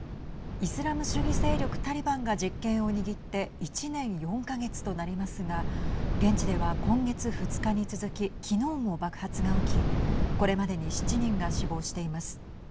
イスラム主義勢力タリバンが実権を握って１年４か月となりますが現地では今月２日に続き昨日も爆発が起きこれまでに７人が死亡しています。